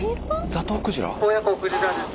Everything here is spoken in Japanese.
ザトウクジラ？